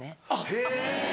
へぇ。